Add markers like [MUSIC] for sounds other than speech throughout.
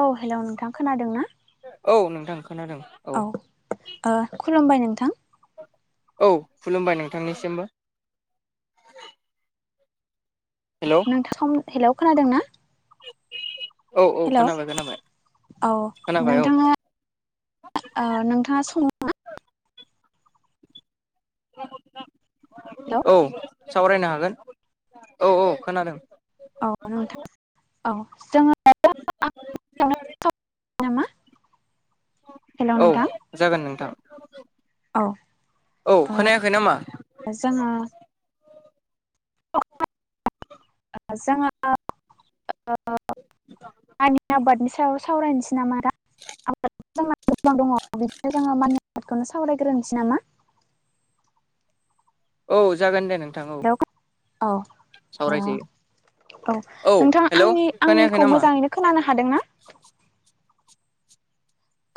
औ हेल' नोंथां खोनादों ना औ नोंथां खोनादोंं औ ओ खुलुमबाय नोंथां औ खुलुमबाय नोंथांनिसिमबो हेलौ नोंथां हेल' खोनादों ना औ औ हेल' खोनाबाय खोनाबाय औ खोनाबाय औ नोंथाङा ओ नोंथाङा सङो ना हेलौ औ सावरायनो हागोन औ औ खोनादों औ नोंथां औ जोंङो [INAUDIBLE] नामा हेलौ औ नोंथां जागोन नोंथां औ औ ओ खोनायाखै नामा [INAUDIBLE] ओ आंनि आबादनि सायाव सावरायनोसै [UNINTELLIGIBLE] बिदिनो जोङो माइनि आबादखौनो [UNINTELLIGIBLE] सावरायग्रोनोसै नामा औ जागोन दे नोंथां औ हेलौ औ ओ सावराय जायो औ नोंथां आंनि आंनिखौ नामा मोजाङैनो खोनानो हादोंना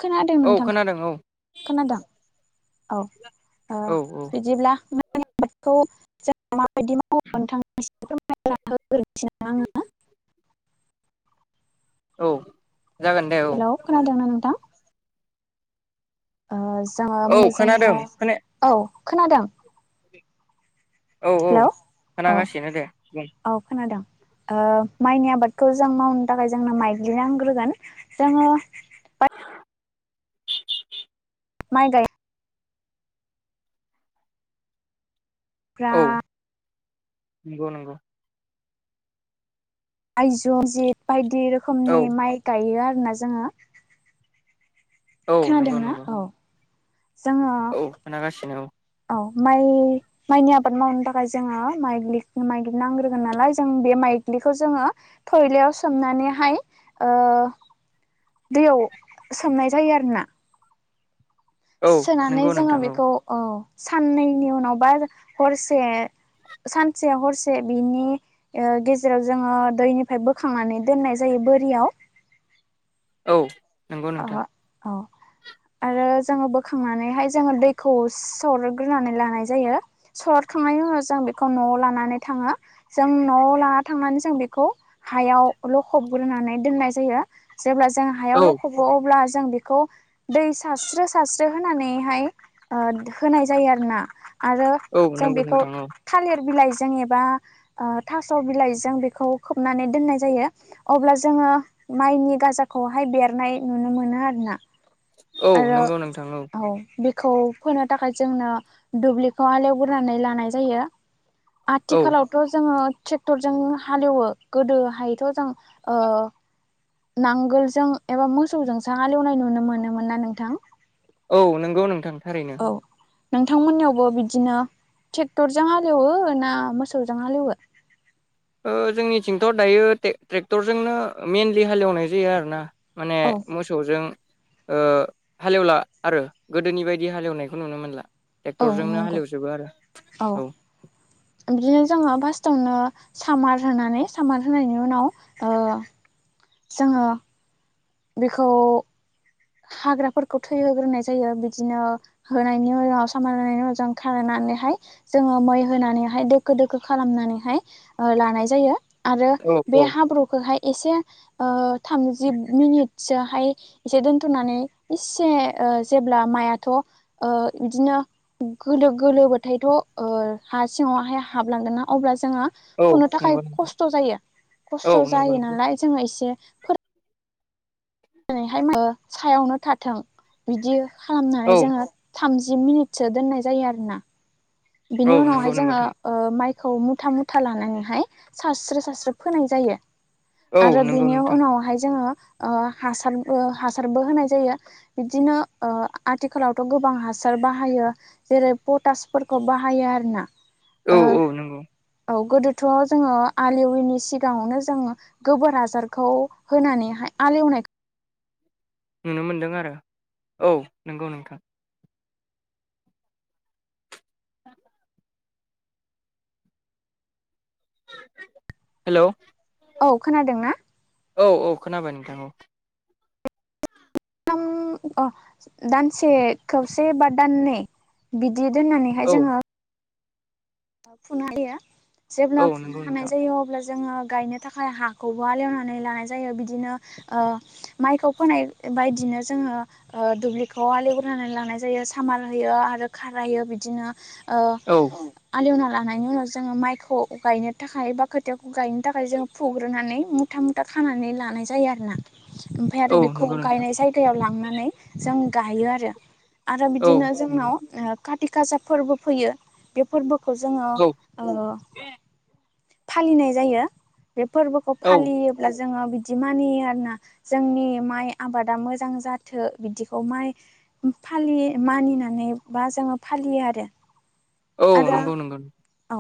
खोनादों औ नोंथां खोनादों औ खोनादों औ ओ औ औ बिदिब्ला आबादखौ जों माबायदि मावो नोंथांनिम फोरमायना हो [INAUDIBLE] औ जागोन दे औ हेलौ खादोंंना नोंथां ओ औ जोङो [UNINTELLIGIBLE] खोनादों जोङो खोना औ खोनादों औ औ हेलौ औ खोनागासिनो दे बुं औ खोनादों ओ माइनि आबादखौ जों मावनो थाखाय जोंनो माइज्लि नांग्रोगोन जोङो माइ गाय ग्रा औ नंगौ नंगौ आइजौ जि बायदि औ रोखोमनि माइ गायो आरोना जोङो औ नंगौ खोनादोंना नंगौ औ जों औ खोनागासिनो औ औ माइ माइनि आबाद मावनो थाखाय जोङो माइ माइज्लि नांग्रोगोन नालाय जों बे माइ ज्लिखौ जोङो थयलायाव सोमनानै हाय ओ दैयाव सोमनाय जायो आरोना औ औ सोनानै नंगौ जोङो नोंथां बेखौ औ साननैनि उनाव बा हरसे सानसे हरसे बिनि ओ गेजेराव जोङो दैनिफ्राय बोखांनानै दोननाय जायो बोरियाव औ नंगौ अ नोंथां औ आरो जोङो बोखांनानैहाय जोङो दैखौ सरग्रोनानै लानाय जायो सरखांनाय उनाव जों बेखौ न' लानानै थाङो जों न' लानानै थांनानै जों बेखौ हायाव लखबग्रोनानै दोननाय जायो जेब्ला जों हायाव औ लख बो अब्ला जों बेखौ दै सारस्रो सारस्रो होनानैहाय होनाय जायो आरो ना आरो औ जों नंगौ बेखौ नोंथां औ थालिर बिलाइजों जों एबा ओ थास' बिलाइजों बेखौ खोबनानै दोननाय जायो अब्ला जोङो माइनि गाजाखौहाय बेरनाय नुनो मोनो आरो ना औ आरो नंगौ नोंथां औ बे खौ फोनो थाखाय जोंनो दुब्लिखौ हाल एवग्रोनानै लानाय जायो औ आथिखालावथ' जोङो ट्रेक्टरजों हालेवो गोदोहायथ' जों ओ नांगोलजों एबा मोसौजों सो हालेवनाय नुनो मोनोमोन ना नोंथां औ नंगौ नोंथां थारैनो औ नोंथांमोननियावबो बिदिनो ट्रेक्टरजों हालेवो ना मोसौजों हालेवो ओ जोंनिथिंथ' दायो ट्रे ट्रेक्टरजोंनो मइेनलि हालेवनाय जायो आरो ना माने औ मोसौजों ओ हालेवला आरो गोदोनि बायदि हालेवनायखौ नुनो मोनला औ ट्रेक्टरजोंनो नंगौ। हालेवजोबो आरो औ बिदिनो जोङो फास्स्टावनो सामार होनानै सामार होनायनि उनाव जोङो बेखौ हाग्राफोरखौ थैहोग्रोनाय जायो बिदिनो होनायनि उनाव सामान होनायनि उनाव जों खारायनाय नानैहाय जोङो मै होनानैहाय दोखो दोखो खालामनानैहाय लानाय जायो। आरो औ बे औ हाब्रुखौहाय एसे थामजि मिनिटसोहाय एसे दोन खाथ'नानै इसे ओ जेब्ला माइआथ' ओ बिदिनो गोलो गोलोबाथायथ' हा सिङावहाय हाबलांगोन ना अब्लासो जोङो औ फुनो थाखाय नंगौ नोंथां खस्थ' जायो औ खस्थ' नंगौ जायो नंगौ नालाय जोङो एसे दिनैहाय माया सायावनो थाथों बिदि खालामनानै औ जोङो थामजि मिनिटसो दोननाय जायो आरोना औ बिनि नंगौ नंगौ उनावहाय जोङो नोंथां माइ खौ मुथा मुथा लानानैहाय सारस्रो सारस्रो फोनाय जायो औ आरो नंगौ बेनि नोंथां उनावहाय जोङो ओ हासारबो हासारबो होनाय जायो बिदिनो ओ आथिखालावथ' गोबां हासार बाहायो जेरै पटास फोर खौ बाहायो आरोना औ ओ औ नंगौ औ गोदोथ' जोङो आलि एविनि सिगाङावनो जोङो गोबोर हासारखौ होनानैहाय एवनाय नुनो मोनदों आरो औ नंगौ नोंथां हेलौ औ खोनादों ना औ औ खोनाबाय नोंथां औ दाम ओ दानसे खवसे बा दाननै बि बिदि दोननानैहाय औ जोङो फुनो होयो जेब्ला औ फुननो नंगौ हानाय नोंथां जायो अब्ला जोङो गायनो थाखाय हाखौबो हालेवनानै लानाय जायो बिदिनो ओ माइखौ फोनाय बायदिनो जोङो ओ दुब्लिखौ आलेवग्रोनानै लानाय जायो सामार होयो आरो खारायो बिदिनो औ बिदिनो ओ हालेवना लानायनि उनाव जोङो माइखौ गायनो थाखाय बा खोथियाखौ गायनो थाखाय जोङो फुग्रोनानै मुथा मुथा खानानै लानाय जायो आरो ना ओमफ्राय आरो औ बेखौ नंगौ नोंथां गायनाय जायगायाव लांनानै जों गायो आरो आरो औ बिदिनो नंगौ जोंनाव ओ खााथि खासा फोरबो फैयो बे फोरबो खौ जोङो औ ओ फालिनाय जायो बे फोरबोखौ औ फालियोब्ला जोङो बिदि मानियो आरोना जोंनि माइ आबादा मोजां जाथो बिदिखौ माइ फालियो मानिनानै बा जोङो फालियो आरो औ आरो नंगौ नंगौ औ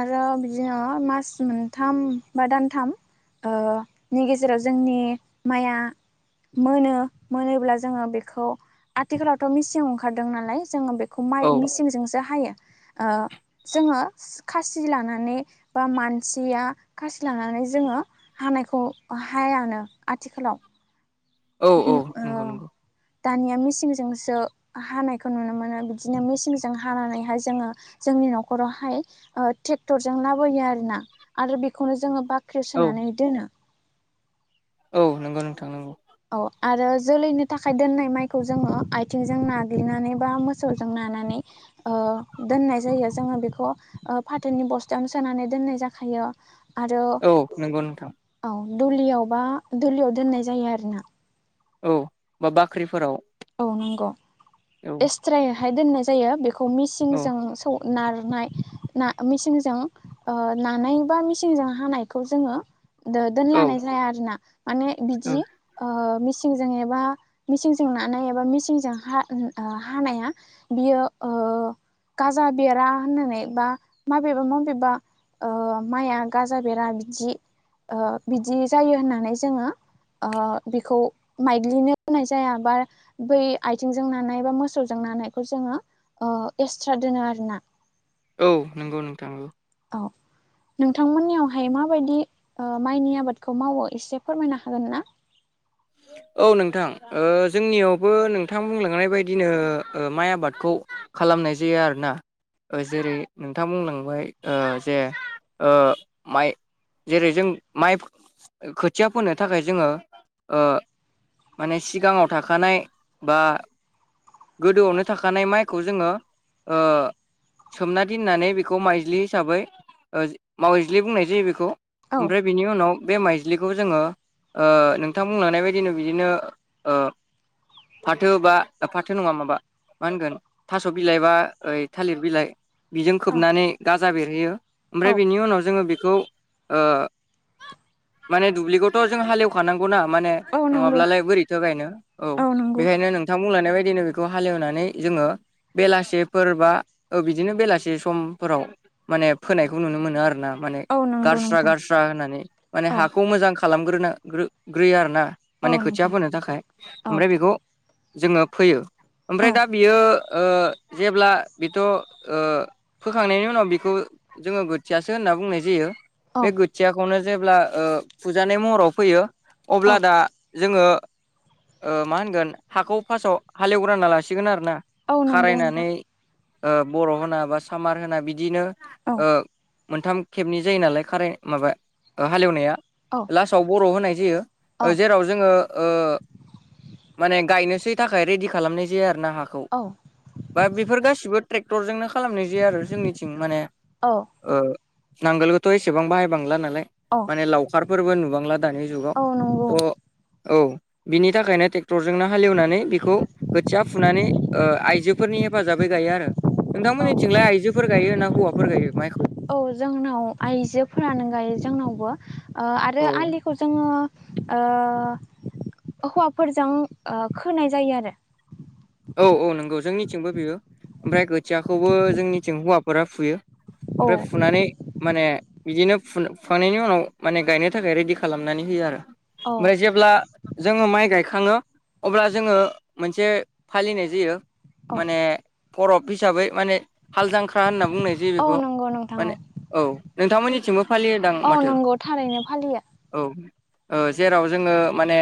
आरो बिदिनो मास मोनथाम बा दानथाम ओ नि गेजेराव जोंनि माइया मोनो मोनोब्ला जोङो बेखौ आथिखालावथ' मिसिं ओंखारदों नालाय जोङो बेखौ माय औ मिसिंजोंसो हायो ओ जोङो खासि लानानै बा मानसिया खासि खासि लानानै जोङो हानायखौ बा हायानो आथिखालाव औ हो औ ओ नंगौ नंगौ दानिया मेसिंजोंसो हानायखौ नुनो मोनो बिदिनो मेसिंजों हानानैहाय जोङो जों नि नखरावहाय ओ ट्रेक्टरजों लाबोयो आरोना आरो बेनोखौनो जोङो बा बाख्रियाव औ सोनानै दोनो औ नंगौ नोंथां नंगौ औ आरो जोलैनो थाखाय दोननाय माइखौ जोङो आथिंजों नाग्लिनानै बा मोसौजों नानानै ओ दोननाय जायो जोङो बेखौ फाथोनि बस्थायावनो सोनानै दोननाय जाखायो औ नंगौ नोंथां दुलियावबा दुलियाव दोननाय जायो आरोना औ बा बाख्रिफोराव औ नंगौ औ एस्ट्रायैहाय दोननाय जायो बेखौ औ मिसिंजों सौ नारनाय ना मेसिनजों नानाय बा मेसिनजों हानायखौ जोङो दो दोनलानाय जाया आरो ना माने औ बिदि मिसिनजों एबा मिसिनजों ना एबा मिसिनजों हानाया बियो गाजा बेरा होननानै बा माबेबा मबेबा माइआ गाजा बेरा बिदि बिदि जायो होननानै जोङो बेखौ मायग्लिनो होनाय जाया बा बै आथिंजों नानाय बा मोसौजों नानायखौ जोङो अ एक्सट्रा दोनो आरोना औ नंगौ नोंथाङ दाउ नोंथांमोननियावहाय माबायदि ओ माइनि आबादखौ मावो एसे फोरमायनो हागोन ना [INAUDIBLE] औ नोंथां ओ जोंनियावबो नोंथां बुंलांनाय बादिनो माइ आबादखौ खालामनाय जायो आरोना जेरै नोंथां बुंलांबाय जे माइ जेरै जों माइ खोथिया फोनो थाखाय जोङो माने सिगाङाव थाखानाय बा गोदोआवनो थाखानाय माइखौ जोङो सोमना दोननानै बेखौ माइज्लि हिसाबै मावज्लि बुंनाय जायो बेखौ औ ओमफ्राय बिनि उनाव बे माइज्लिखौ जोङो ओ नों नोंथां बुंलांनाय बायदिनो बिदिनो ओ फाथो बा फाथो नङा माबा मा होनगोन थास' बिलाइ बा ओइ थालिर बिलाइ बिजों औ खोबनानै गाजा बेरहैयो ओमफ्राय औ बेनि उनाव जोङो बे बेखौ माने दुब्लिखौथ' जों हालेवखानांगौ ना माने औ नंगौ नङाब्लालाय बोरैथो गायनो औ बेखायनो नोंथां बुंलनाय बाय बिदिनो बेखौ हालेवनानै जोङो बेलासेफोर बा बिदिनो बेलासे समफोराव माने फोनायखौ नुनो मोनो आरो ना माने औ नंगौ गारस्रा नोंथां गारस्रा होननानै माने औ हाखौ मोजां खालामग्रोना ग्रोयो आरोना माने औ खोथिया नोंथां फोनो थाखाय औ ओमफ्राय बेखौ जोङो फोयो ओमफ्राय औ दा बियो जेब्ला बेथ' ओ फोखांनायनि उनाव बेखौ जोङो खोथियासो होननानै होनना बुंनाय जायो बे औ खोथियाखौनो जेब्ला फुजानाय महराव फैयो अब्ला औ दा जोङो मा होनगोन हाखौ फार्स्टआव हालेवग्रानना लासिगोन आरो ना औ नंगौ नोंथां बर' होना बा सामार होना बिदिनो औ मोनथाम खेबनि जायो नालाय खाराय माबा हालेवनाया औ लास्थाव बर' होनाय जायो औ जेराव जोङो माने गायनोसै थाखाय रेडि खालामनाय जायो आरो हाखौ औ बा बेफोर गासिबो ट्रेक्टरजोंनो खालामनाय जाया आरो जोंनिथिं माने औ नांगोलखौथ' एसेबां बाहायबांला नाल औ माने लावखारफोरबो नुबांला दानि जुगाव औ नंगौ थ' औ बिनि थाखायनो ट्रेक्टरजोंनो हालेवनानै बेखौ खोथिया फुनानै आइजोफोरनि हेफाजाबै गाइयो आरो औ नोंथांमोननिथिंलाय आइजोफोर गायो ना हौवाफोर गायो माइखौ औ जोंनाव आइजोफोरानो गायो जोंनावबो आरो औ आलिखौ जोङो ओ हौवाफोरजों खोनाय जायो आरो औ औ नंगौ जोंनिथिंबो बेयो ओमफ्राय खोथियाखौबो जोंनिथिं हौवाफोरा फुयो ओमफ्राय फुनानै माने बिदिनो फुखांनायनि उनाव माने गायनो थाखाय रेडि खालामनानै होयो आरो औ ओमफ्राय जेब्ला जोङो माइ गायखाङो अब्ला जोङो मोनसे फालिनाय जायो औ माने फरब हिसाबै माने हालदांख्रा होनना बुङो। बुंनाय जायो औ बेखौ नंगौ नोंथां माने औ औ नोंथांमोननिथिंबो फालियोदां औ माथो। नंगौ थारैनो फालियो औ जेराव जोङो माने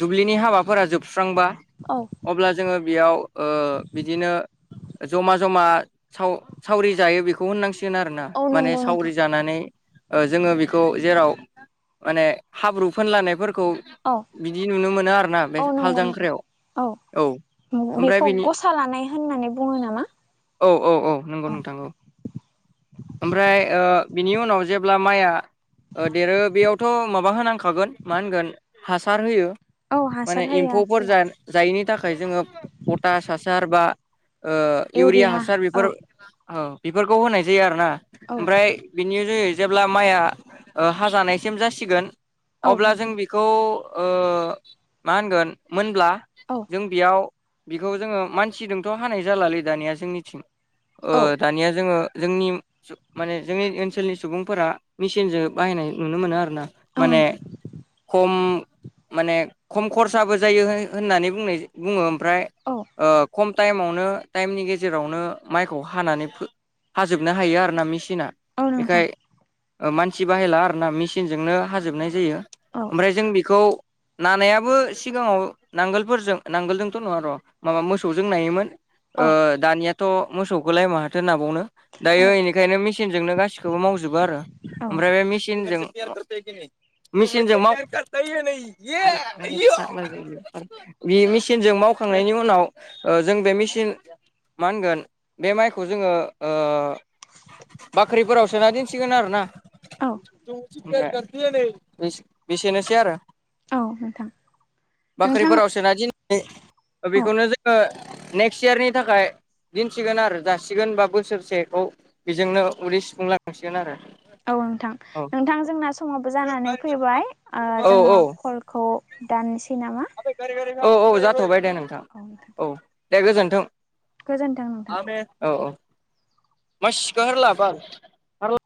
दुब्लिनि हाबाफोरा जोबस्रांबा औ अब्ला जोङो बेयाव बिदिनो जमा जमा साव सावरि जायो बेखौ होननांसिग आरोना औ माने नंगौ नोंथां सावरि जानानै जोङो बेखौ जेराव माने हाब्रु फोनलानायफोर खौ औ बिदि नुनो मोनो आरोना बे औ हाल नंगौ नोंथां जांख्रायाव। औ ओमफ्राय बेखौ बिनि गसा लानाय होननानै बुङो नामा? औ औ औ नंगौ नोंथौ ओमफ्राय बिनि उनाव जेब्ला माइया देरो बेयावथ' माबा होनांखागोन मा होनगोन हासार होयो। औ हासार माने होयो एम्फौफोर आथिखालाव जायैनि थाखाय जोङो पटास हासार बा इउरिया हासार बेफोर औ बेफोरखौ होनाय जायो आरो ना औ ओमफ्राय बिनि ज जेब्ला माइआ हाजानायसिम जासिगोन औ अब्ला जों नोंथां बेखौ मा होनगोन मोनब्ला औ जों बेयाव बेखौ जोङो मानसिजोंथ' हानाय जालालै दानिया जोंनिथिं औ दानिया जोङो जोंनि माने जोंनि ओनसोलनि सुबुंफोरा मेसिनजों बाहायनाय नुनो मोनो आरो औ माने नोंथां खम माने खम खरसाबो जायो। होननानै बुंनाय बुङो ओमफ्राय औ खम टाइमावनो टाइमनि गेजेरावनो माइखौ हानानै हाजोबनो हायो आरो ना मेसिन मेसिना औ नोंथां बेखाय मानसि बाहायला आर ना मेसिनजोंनो हाजोबनाय जायो। औ ओमफ्राय जों बेखौ नानायाबो सिगाङाव नांगोलफोरजों नांगोलजोंथ' नङा र' माबा मोसौजों नायोमोन औ दानिया थ' मोसौखौलाय माथो नाबावनो औ दायो बेनिखायनो मेसिनजोंनो गासिखौबो मावजोबो आरो औ ओमफ्राय बे मेचनजों [INAUDIBLE] बे मेचिनजों मावखांनायनि उनाव जों बे मेचिन मा होनगोन बे माइखौ जोङो बाख्रिफोराव सोना दोनसिगोन आरो ना औ [INAUDIBLE] औ नोंथां नोंथां बाख्रिफोराव सोना दि औ बेखौनो जोङो नेक्स्ट इयारनि थाखाय दिन्सिगोन आरो जासिगोन बा बोसोरसेखौ बेजोंनो उदै सुफुंलांसिगोन आरो औ नोंथां औ नोंथां जोंना समावबो जानानै फैबाय औ औ जोङो कलखौ दाननोसै नामा? औ औ जाथ'बाय दे नोंथां औ दे गोजोन्थों। गोजोन्थों नोंथां। [INAUDIBLE]